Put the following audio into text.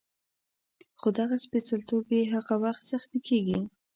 خو دغه سپېڅلتوب یې هغه وخت زخمي کېږي.